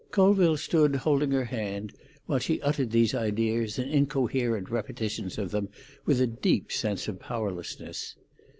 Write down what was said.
Colville stood holding her hand, while she uttered these ideas and incoherent repetitions of them, with a deep sense of powerlessness.